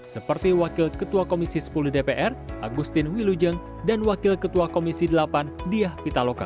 seperti wakil ketua komisi sepuluh dpr agustin wilujeng dan wakil ketua komisi delapan diah pitaloka